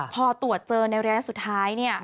พอตรวจเจอในระยะสุดท้าย